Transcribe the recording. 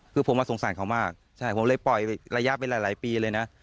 คือผมสงสารเขามากใช่ผมเลยปล่อยระยะไปหลายปีเลยนะ